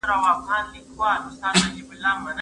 عایدات د دولتي کارمندانو لخوا راټولېدل.